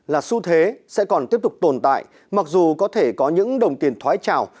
là xu thế sẽ còn tiếp tục tồn tại mặc dù có thể có những đồng tiền thoái trào